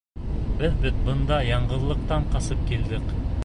Беҙ бит бында яңғыҙлыҡтан ҡасып килдек.